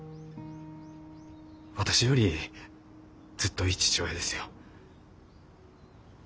私よりずっといい父親ですよ。